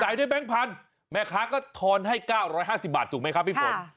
ได้แบงค์พันธุ์แม่ค้าก็ทอนให้๙๕๐บาทถูกไหมครับพี่ฝน